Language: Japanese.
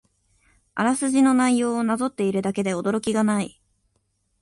あらすじの内容をなぞっているだけで驚きがない